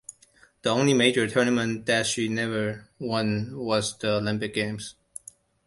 The only major tournament that she never won was the Olympic Games.